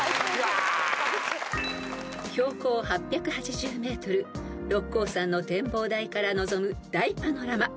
［標高８８０ｍ六甲山の展望台から望む大パノラマ］